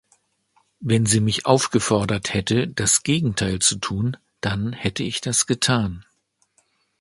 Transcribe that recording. Wenn sie mich aufgefordert hätte, das Gegenteil zu tun, dann hätte ich das getan.